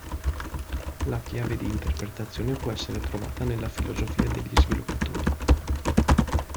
La chiave di interpretazione può essere trovata nella filosofia degli sviluppatori.